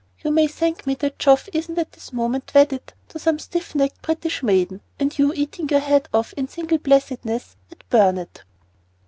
You may thank me that Geoff isn't at this moment wedded to some stiff necked British maiden, and you eating your head off in single blessedness at Burnet."